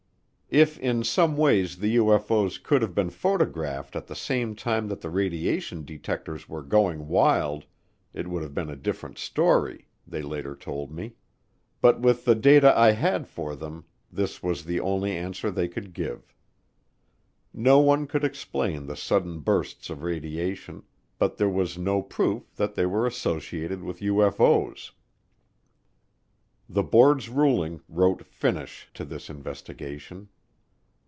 If in some way the UFO's could have been photographed at the same time that the radiation detectors were going wild, it would have been a different story, they later told me, but with the data I had for them this was the only answer they could give. No one could explain the sudden bursts of radiation, but there was no proof that they were associated with UFO's. The board's ruling wrote finish to this investigation.